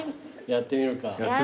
やってみるか。